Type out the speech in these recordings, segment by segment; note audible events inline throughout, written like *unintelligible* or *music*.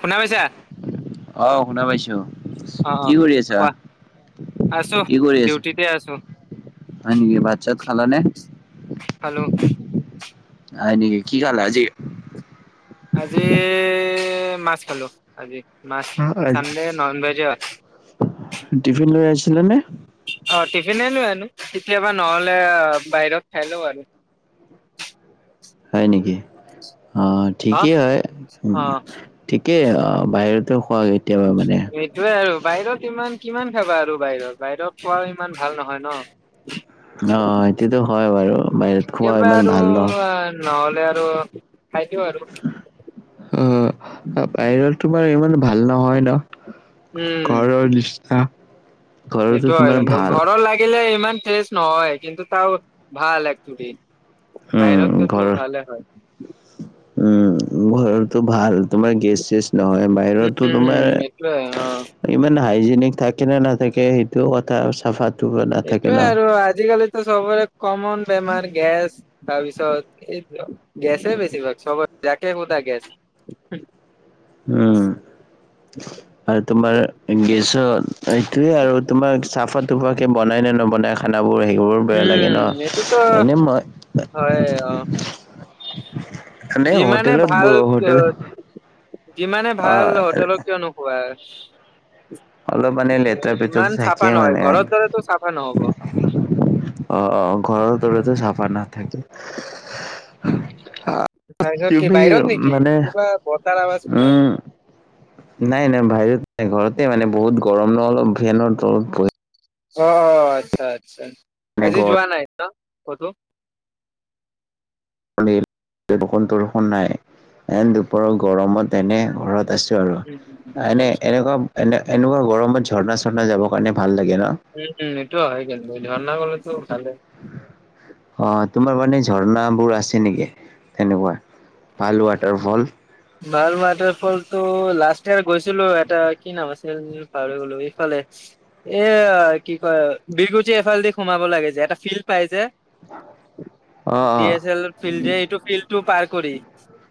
শুনা পাইছা? অহ শুনা পাইছোঁ। অ অ কোৱা আছো কি কৰি আছা ডিউটিতে আছো। হয় নেকি ভাত চাত খালানে? খালোঁ। হয় নেকি কি খালা আজি? আজি মাছ খালোঁ আজি। মাছ হ আ চানডে নন ভেজে হয় টিফিন লৈ আহিছিলা নে? অ টিফিনে লৈ আনো কেতিয়াবা নহলে অ বাহিৰত খাই লওঁ আৰু। হয় নেকি অ অ', ঠিকেই হয় ঠিকেই অ বাহিৰত এই তয়ে আৰু বাহিৰত ইমান কিমান খাবা আৰু বাহিৰত বাহিৰত খোৱা ইমান ভাল নহয় ন। অ, সেইটোটো হয় বাৰু। বাহিৰত খোৱা এইবাৰ ইমান আৰু ভাল ন নহ'লে আৰু খাই দিওঁ আৰু। অ, বাহিৰত তোমাৰ ইমান ভাল নহয় ন? উম ঘৰৰ নিচিনা ঘৰতো সেইটো হয় তোমাৰ জান, ভাল ঘৰৰ লাগিলে ইমান টেষ্ট নহয় কিন্তু ভাল একচি উম বাহিৰত কিন্তু ঘৰৰ ভালে হয়। উম, হয়। তাটো ভাল তোমাৰ গেছ- চেছ নহয়, বাহিৰতো উম, তোমাৰ হুম, এইটোয়ে অ', ইমান হাইজেনিক থাকে নে নাথাকে সেইটো কথা চাফাত এইটোৱে আৰু আজিকালিতো চবৰে কমন বেমাৰ গেছ। তাৰপিছত গেছে বেছিভাগ চবতে, যাকে সুধা গেছ। উম। আৰু তোমাৰ গেছত এইটোয়ে আৰু তোমাৰ চাফা তাফাকে বনাই নে নবনাই খানাবোৰ সেইবোৰ বেয়া লাগে উম, এইটোতো ন এনেই মই হয়, অ। এনে যিমানে হোটেলত ভাল, হোটেল যিমানে অ ভাল হোটেলত কিয়নো হয়। অলপ মানে লেতেৰা পেতেৰা ইমান থাকে চাফা নহয়, মানে ঘৰ দৰেটো চাফা নহ'ব। অ- অ, ঘৰৰ দৰেটো চাফা নাথাকে। *unintelligible* তাৰপিছত তি কি বাহিৰত নেকি মানে, কিবা বতাৰ আৱাজ শুনা পাই উম। নাই- নাই বাহিৰত নাই, ঘৰতে মানে বহুত গৰম ন অলপ ফেনৰ তলত বহি অ, আতচ্ছা, আতচ্ছা, মানে আজি গৰম যোৱা নাই কতো? শুনি এনেই বৰষুণ চৰখুন নাই। সেন দুপৰৰ গৰমত এনে ঘৰত আছোঁ। আৰু উম, উম, এনে- আচ্ছা, এনেকুৱা, এনে- এনেকুৱা গৰমত ঝৰ্ণা- চৰ্ণা যাবৰ কাৰণে ভাল লাগে ন? উম, এইটো হয়, ঝৰ্ণা গলেটো ভালে। *unintelligible* অ, তোমাৰ মানে ঝৰ্ণাবোৰ আছে নেকি? তেনেকুৱা ভাল ৱাটাৰ ফ'ল। ভাল ৱাটাৰ ফ'লতটো লাষ্ট ইয়াৰ গৈছিলোঁ। এটা কি নাম আছিল। পাৰ হৈ গ'লো। এইফালে আহি এ কি কয়, বিহগুটি এফালে দি সোমাব লাগে যে, এটা ফিল্ড পাই যে। অ অ ড এছ এল ফিল্ড যে, এইটো ফিল্ডটো পাৰ কৰি।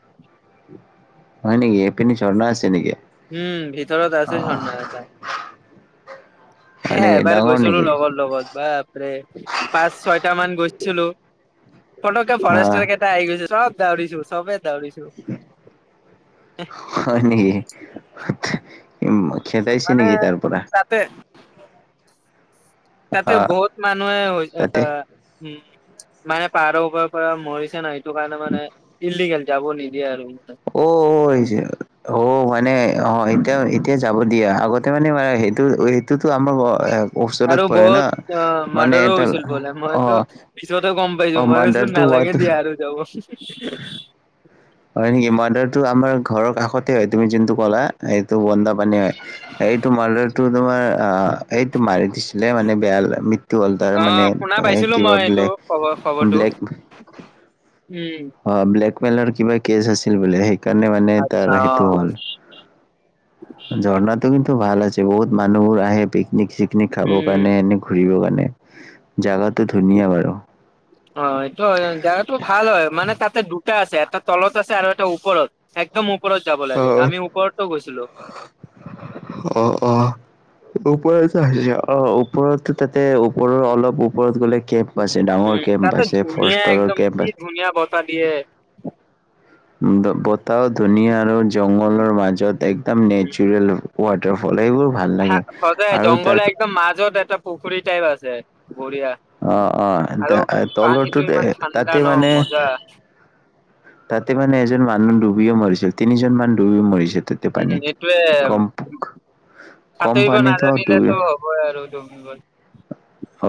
*inaudible* হয় নেকি, সেইপিনে ঝৰ্ণা আছে নেকে? উম, ভিতৰত আছে ঝৰ্ণা এটা। হয় হে নেকি এবাৰ ডাঙৰ গৈছিলোঁ নেকি লগৰ লগত। বাপৰে পাঁচ, চয়টা মান গৈছিলোঁ। ফটকে অ ফৰেষ্টৰ কেইটা আহি গৈছে, চব দৌৰিছোঁ, চবে দৌৰিছোঁ। হয় নেকি? মই তাৰ মানে, তাতে। তাতে আহ বহুত মানুহে শুইছে, তাতে হা উম, মানে পাহাৰৰ ওপৰৰ পৰা মৰিছে ন, এইটো কাৰণে মানে ইলিগেল। যাব নিদিয়ে আৰু। অ', অ', আহিছে অ', মানে অ', এতিয়া- এতিয়া যাব দিয়া, আগতে মানে সেইটো সেইটো আমাৰ ওচৰত আৰু পৰে ন, বহুত অ মানে মাৰ্ডাৰো এটাৰ হৈছিল বোলে মইতো অ'। পিছতে গ'ম অ পাইছোঁ, মই ভাবিছোঁ মাৰ্ডাৰটো নালাগে হোৱাটো দিয়া আৰু যাব। *inaudible* হয় নেকি? মাদাৰটো আমাৰ ঘৰৰ কাষতে হয়, তুমি জোনটো ক'লা সেইটো বন্দা পানী হয়। এইটো মাদাৰটো তোমাৰ অ', এইটো মাৰি দিছিলে মানে বেয়া টো হ'ল তাৰ মানে কিব ব্লেক ক খবৰটো, ব্লেক উম। অ', ব্লেকমেইলৰ কিবা কেছ আছিল বোলে, সেইকাৰণে মানে আচ্ছা তাৰ সেইটো অ। হ'ল। ঝৰ্ণাাটো কিন্তু ভাল আছে, বহুত মানুহবোৰ আহে পিকনিক চিকনিক খাব উম কাৰণে। এনে ঘূৰিব কাৰনে জগতো ধুনীয়া বাৰু। অ', এইটো হয়। জেগাটো ভাল হয়, মানে তাতে দুটা আছে এটা তলত আছে, আৰু এটা ওপৰত। একদম ওপৰত যাব লাগে, অ', আমি ওপৰতো গৈছিলো। অ', অ'। ওপৰতো আছে অ', ওপৰতো তাতে ওপৰত অলপ ওপৰত গ'লে কে ম্প আছে ডাঙৰ উম কেম্প আছে, ফৰেষ্টৰ কেম্প আছে। এটা দিয়ে। উম, বতাহো ধুনীয়া আৰু জংঘলৰ মাজত একদম নেচাৰেল ৱাটাৰ ফ'ল, সেইবোৰ ভাল হা লাগে। আৰু তাৰ জংঘলৰ একদম মাজত এটা পুখুৰী টাইপ আছে বঢ়িয়া। অ', অ', আৰু তা পানীটো তলৰটোত ইমান ঠাণ্ডা তাতে ন মানে মজা তাতে মানে এজন মানুহ ডুবিও মৰিছিল তিনিজন মানুহ ডুবি মৰিছে। উম পানীত সেইটোৱে, কম কম সাঁতুৰিব পানীতো ডুবি নাজানিলেতো হ'ব আৰু ডুবিবৈ।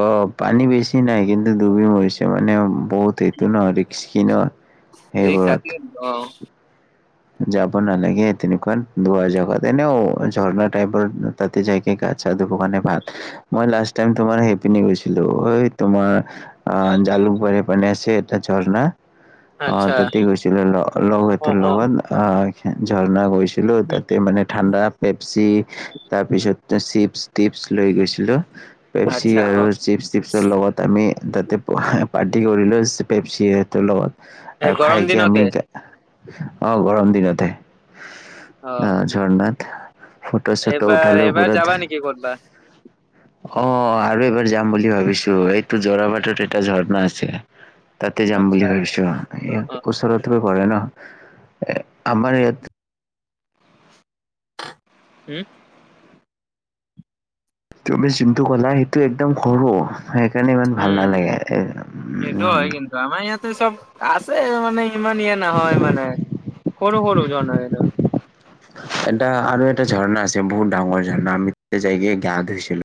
অ', পানী বেছি নাই, কিন্তু ডুবি মৰিছে মানে বহুতে হিট। তো ন ৰিস্কি ন ৰিক্স সেইবোৰত। থাকে অ'। যাব নালাগে তেনেকুৱাতে দুৰ জেগাত, এনেও ঝৰ্ণা টাইপৰ তাতে যাইকে গা চা ধুব কাৰনে ভাল। মই লাষ্ট টাইম তোমাৰ সেইপিনি গৈছিলো, এই তোমাৰ অ', জালুকবাৰী পিনে আছে এটা ঝৰ্না। অ', আচ্ছা তাতে গৈছিলো লগ-লগৰ অ কেইতাৰ অ লগত হ' ঝৰ্ণা গৈছিলো। উম, তাতে মানে ঠাণ্ডা পেপচি তাৰপিছত চিপছ টিপছ লৈ গৈছিলো। পেপচি আচ্ছা আৰু অ চিপছ টিপছৰ লগত আমি তাতে পাৰ্টি কৰিলো পেপচিটোৰ লগত এই আৰু গৰম খাইকে আমি দিনতে অ' গৰম দিনতে অ' ঝৰ্ণাত। ফটো ছটো উঠালো ওপৰত। ই ক'ত বা? অ' আৰু এবাৰ যাম বুলি ভাবিছো, এইটো জৰা বাটত এটা ঝৰ্ণা আছে? তাতে যাম আচ্ছা বুলি ভাবিছো, অ অ ওচৰত তে পৰে ন, আমাৰ ইয়াত হুম? তুমি যোনটো ক'লা সেইটো একদম সৰু। সেইকাৰণে ইমান ভাল উম উম নালাগে। সেইটো উম হয় কিন্তু আমাৰ ইয়াতে চব আছে মানে ইমান ইয়ে নহয় মানে, সৰু সৰু ঝৰ্ণা। এটা আৰু এটা ঝৰ্ণা আছে বহুত ডাঙৰ ঝৰ্ণা আমি জাইগে গা ধুইছিলো।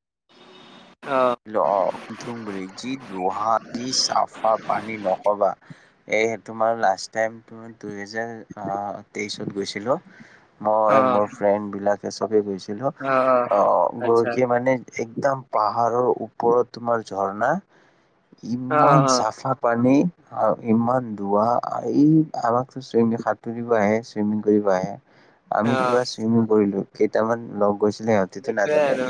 অ'। *unintelligible* চফা পানী নক'বা এই হে তোমাৰ লাষ্ট টাইম টোৰ ৰিজাল্ট আহ তেইছত গৈছিলোঁ, অ মই মোৰ ফ্ৰেণ্ডবিলাক চবে গৈছিলো, অ গৈ আচ্ছা কি মানে একদম পাহ পাহাৰৰ ওপৰত তোমাৰ ঝৰ্ণা, অ ইমান অ চাফা পানী। আৰু ইমান দুৱা এই আমাকো ছুইমিং সাঁতুৰিব আহে চুইমিং কৰিব আহে। আমি অ পুৰা চুইমিং কৰিলো, কেইটামান লগ গৈছিলে সিহত সেইটোয়ে আৰু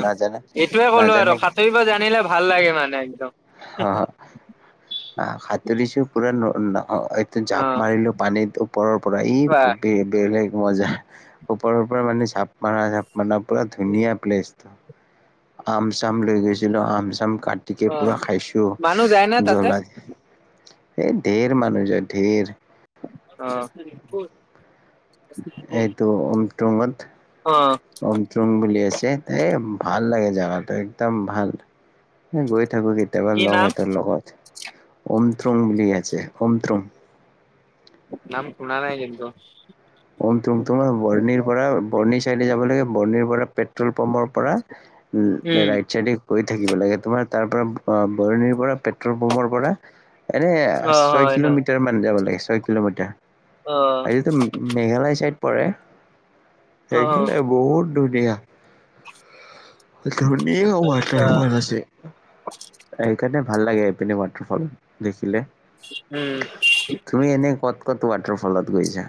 এইটোয়ে ক'লো আৰু সাঁতুৰিব জানিলে ভাল লাগে মানে একদম। হ হ, সাটোৰিচুও *inaudible* অ জাপ মাৰিলো পানীত ওপৰৰ পৰাই ই খুবে বেলেগ মজা। ওপৰৰ পৰা মানে ঝাপ মাৰা ঋপ মাৰা পুৰা ধুনীয়া প্লেচ। আম চাম লৈ গৈছিল আম চাম কাটি অ পুৰা খাইছোঁ মানুহ যায় না তাতে জলা, এই ঢেৰ মানুহ যে ঢেৰ। অ। *inaudible* এইটো অমট্ৰুংত। অ। কমট্ৰুং বুলি আছে, এই ভাল লাগে যিহেতু একদম ভাল। গৈ থাকো কেতিয়াবা কি লগ নাম হতৰ লগত, অমট্ৰুং বুলি আছে অমট্ৰুং। নাম শুনা নাই কিন্তু। ওম তুম তোমাৰ বৰ্ণিৰ পৰা বৰ্ণি চাৰিআলি যাব লাগে বৰ্ণিৰ পৰা পেট পেট্ৰল পাম্পৰ পৰা উম ৰাইট চাইডে গৈ থাকিব লাগে, তোমাৰ তাৰ পৰাৰা বৰণিৰ পৰা পেট্ৰল পম্পৰ পৰা এনে অ ছয় হয় হয় কিলোমিটাৰ মান যাব লাগে ছয় কিলোমিটাৰ, অ আজিতো মেঘলৈ ছাইড পৰে, অ সেইকাৰণে বহুত ধুনীয়া। ধুনীয়া আচ্ছা ৱাটাৰ ফল আছে। সেইকাৰনে ভাল লাগে এইপিননে ৱাটাৰ ফল দেখিলে। উম। তুমি এনেই ক'ত ক'ত ৱাটাৰফলত গৈছা?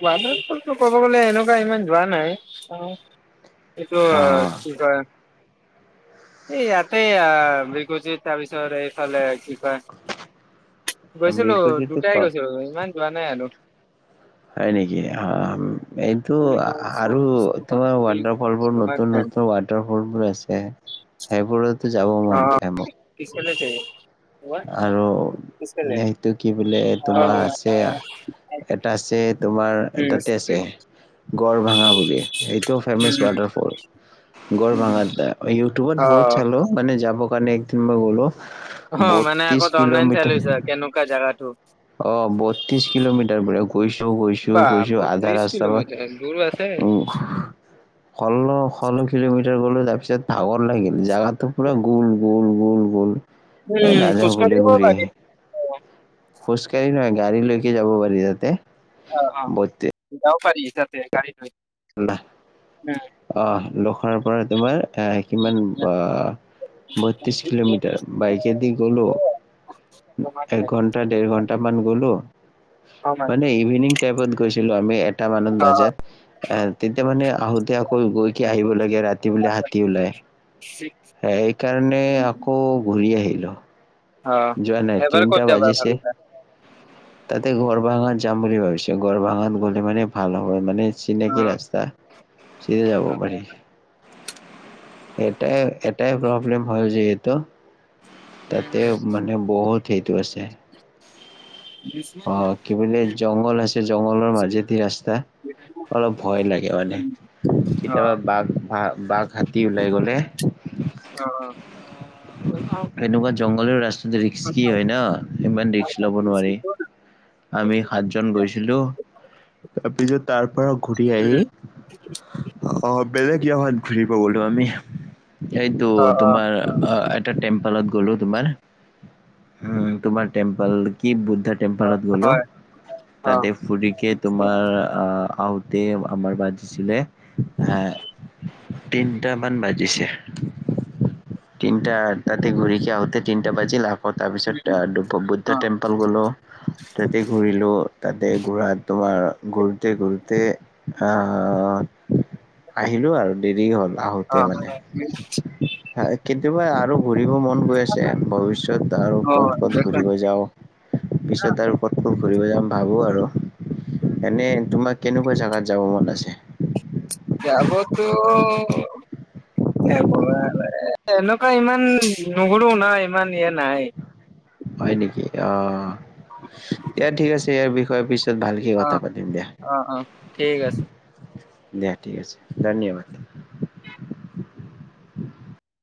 ৱাতাৰফলটো ক'ব গ'লে এনেকুৱা ইমান যোৱা নাই, চাওঁ এইটো কি কয় এই ইয়াতে বিকুতি তাৰপিছত এইফালে কি কৈ অ বিল গৈছিলো কুছিটো ক দুটাই গৈছিলো ইমান যোৱা নাই আৰু। হয় নেকি আম। এইটো আৰু তোমাৰ ৱাটাৰ ফল বোৰ নতুন নতুন ৱাটাৰ ফলবোৰ আছে। সেইবোৰতো যাব মন যায় মোক। *inaudible* আৰু সেইটো কি বোলে তোমাৰ আছে আ, এটা ছেট তোমাৰ তাতে আছে, গড় ভাঙা বুলি সেইটোও ফেমাছ ৱাটাৰফল। গৰ ভাঙাত দ ইউটিউব বহুত চালো মানে যাব কাৰণে একদিন মই গ'লো। অ মানে বত্ৰিশ আকৌ অনলাইন চাই কিলোমিটাৰ লৈছা কেনেকুৱা জাগাটো। অ বত্ৰিচ কিলোমিটাৰ বোলে গৈছো গৈছো বা গৈছো আধা বত্ৰিশ ৰাস্তা পা কিলোমিটাৰ দূৰ আছে? ষল্লষোল্ল কিলোমিটাৰ গ'লো তাৰপিছত ভাগৰ লাগিল জাগাটো। পূৰা গোল গোল গোল গোল এই উম নাযাও বুলি খোজকাঢ়িব ঘূৰি আহী। লাগে খোজকাঢ়ি নহয় গাড়ী লৈকে যাব পাৰি তাতে। অ অ বত্ৰিশ যাব পাৰি তাতে গাড়ী লৈ। উম, আহ, লোখৰাৰ পৰা তোমাৰ আহ কিমান আহ বত্ৰিশ কিলোমিটাৰ বাইকে দি গ'লো। তোমাক এক ঘন্টা দেৰ ঘন্টা মান গলো, তোমাক মানে ইভিনিং কেবত গৈছিলো আমি এটা মানত অ' বাজাত। আহ, তেতিয়া মানে আহোতে আকৌ গৈ কি আহিব লাগে ৰাতি বোলে হাতী ওলাই। সেইকাৰণে আকৌ ঘূৰি আহিলোঁ। অ, যোৱা নাই এবাৰ ক'ত তিনটা যাবা বাজিছে। ভাবিছা তাতে গৰ্ভাঙত যাম বুলি ভাবিছো, গৰভঙাত গ'লে মানে ভাল হ'ব মানে চিনাকি অ' ৰাস্তা চিধা যাব অ। পাৰি। এটাই-এটাই প্ৰব্লেম হয় যিহেটো তাতে উম মানে বহুত সেইটো আছে। *unintelligible* অ', কি বুলি জংঘল আছে, জংঘলৰ মাজেদি ৰাস্তা। অলপ ভয় লাগে মানে, অ' কেতিয়াবা বাঘ হ বাঘ হাতী ওলাই গলে অ'। এনেকুৱা জংঘলৰ ৰাস্তটো ৰিস্কি হয় ন ইমান ৰিষ্ক লব নোৱাৰি। আমি সাতজন গৈছিলো। তাৰপিছত তাৰ পৰা ঘূৰি আহি অ', বেলেগ জাত ঘূৰিব গলো আমি, এইটো তোমাৰ এটা টেম্পলত গ'লো তোমাৰ, উ তোমাৰ টেম্পল কি বুদ্ধ টেম্পেলত গ'লোঁ, তাতে ফুুৰিকে তোমাৰ আহ, আহোতে আমাৰ বাজিছিলে তিনিটামান বাজিছে। তিনটা তাতে ঘূৰিকে আহোঁতে তিনিটা বাজিল আকৌ তাৰপিছত বুদ্ধ টেম্পল গ'লোঁ। তাতে ঘূৰিলো, তাতে ঘূৰা তোমাৰ ঘুৰুতে ঘুৰুতে অ', আহিলো আৰু দেৰি হল। আহোতে মানে, কিন্তু মই আৰু ঘুৰিব মন আছে ভৱিষ্যত আৰু অঁ ক'ত ক'ত ঘূৰিব দেখোন যাওঁ পিছত আৰু ক'ত ঘুৰিব যাম ভাবো আৰু এনে তোমাৰ কেনেকুৱা জাগাত যাব মন আছে? যাবতো এনেকুৱা ইমান নগলেও নাই ইমান ইয়া নাই। হয় নেকি অ', দিয়া ঠিক আছে ইয়াৰ বিষয় পিছত ভালকে অ কথা পাতিম দিয়া। অ অ ঠিক আছে দিয়া ঠিক আছে, ধন্যবাদ।